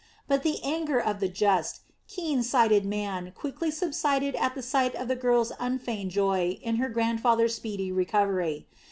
But the anger of the just, keen sighted man quickly subsided at the sight of the girl's unfeigned joy in her grandfather's speedy recovery.